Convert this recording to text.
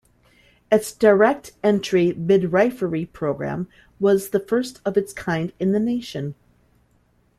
Its direct-entry midwifery program was the first of its kind in the nation.